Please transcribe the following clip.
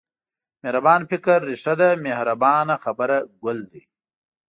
مهربان فکر رېښه ده مهربانه خبره ګل دی.